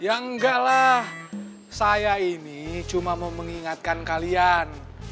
ya enggak lah saya ini cuma mau mengingatkan kalian